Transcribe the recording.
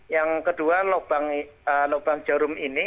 yang kedua lubang jarum ini